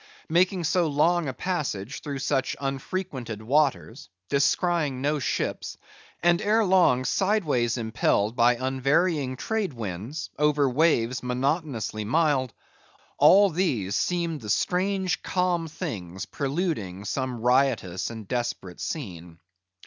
Making so long a passage through such unfrequented waters, descrying no ships, and ere long, sideways impelled by unvarying trade winds, over waves monotonously mild; all these seemed the strange calm things preluding some riotous and desperate scene.